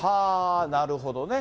なるほどね。